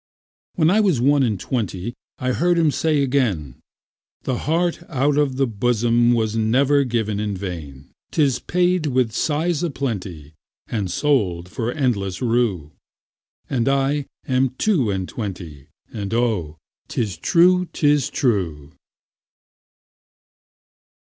When I was one and twentyI heard him say again,'The heart out of the bosomWas never given in vain;'Tis paid with sighs a plentyAnd sold for endless rue.'And I am two and twenty, And oh, 'tis true, 'tis true.